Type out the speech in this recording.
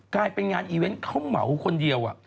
กลายเป็นงานอีเวนต์เขาเหมาคนเดียว